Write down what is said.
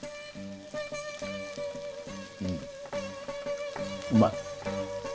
うんうまい。